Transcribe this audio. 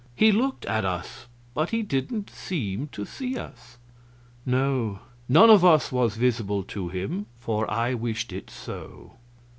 He looked at us, but he didn't seem to see us." "No, none of us was visible to him, for I wished it so."